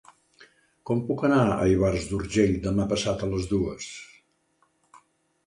Com puc anar a Ivars d'Urgell demà passat a les dues?